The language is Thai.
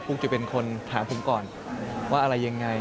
ุ๊กจะเป็นคนถามผมก่อนว่าอะไรยังไง